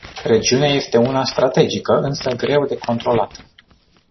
Regiunea este una strategică, însă greu de controlat.